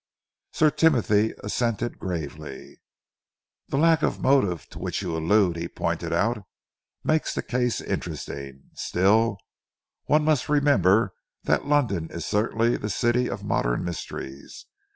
Sir Timothy assented gravely. "The lack of motive to which you allude," he pointed out, "makes the case interesting. Still, one must remember that London is certainly the city of modern mysteries.